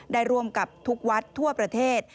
ได้ร่วมกับทุกวัดทั่วประเทศ